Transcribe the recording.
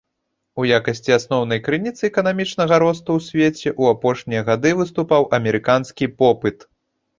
У якасці асноўнай крыніцы эканамічнага росту ў свеце ў апошнія гады выступаў амерыканскі попыт.